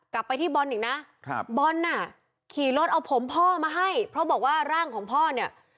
กลับไปที่บอลอีกนะครับบอลน่ะขี่รถเอาผมพ่อมาให้เพราะบอกว่าร่างของพ่อเนี่ย